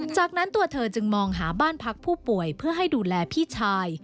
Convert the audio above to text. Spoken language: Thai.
จากนั้นตัวเธอจึงมองหาบ้านพักผู้ป่วยเพื่อให้ดูแลพี่ชาย